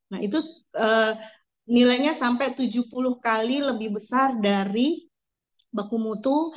nah itu nilainya sampai tujuh puluh kali lebih besar dari beku mutu